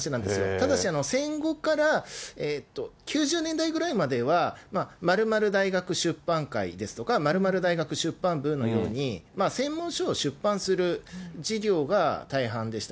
ただし、戦後から９０年代ぐらいまでは、〇〇大学出版会ですとか、〇〇大学出版部のように、専門書を出版する事業が大半でした。